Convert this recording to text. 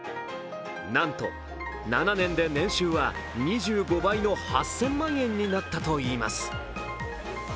なんと７年で年収は２５倍の８０００万円になったといいます。